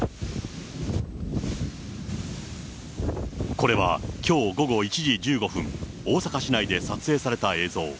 これはきょう午後１時１５分、大阪市内で撮影された映像。